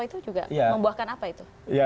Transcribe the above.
itu juga membuahkan apa itu